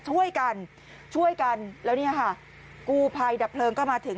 ช่วยกันช่วยกันแล้วเนี่ยค่ะกูภัยดับเพลิงก็มาถึง